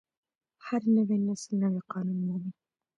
هر نوی نسل نوي قوانین مومي.